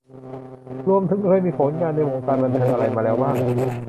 รวมถึงเคยมีผลงานในวงการบันเทิงอะไรมาแล้วบ้าง